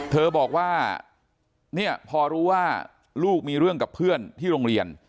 เธอบอกว่าเนี่ยพอรู้ว่าลูกมีเรื่องกับเพื่อนที่โรงเรียน